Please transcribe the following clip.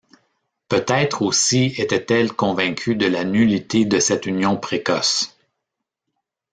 Peut-être aussi était-elle convaincue de la nullité de cette union précoce.